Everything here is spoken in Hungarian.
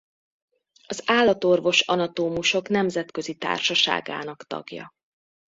Az Állatorvos-anatómusok Nemzetközi Társaságának tagja.